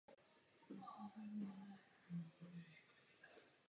Zpravodajka považuje název návrhu Komise za zavádějící.